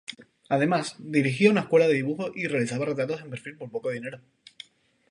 Además, dirigía una escuela de dibujo y realizaba retratos de perfil por poco dinero.